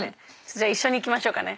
じゃあ一緒にいきましょうかね。